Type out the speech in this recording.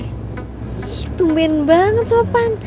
sss tumben banget sopan